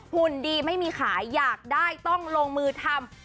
หุ่นดีไม่มีขายอยากได้ต้องลงมือทำ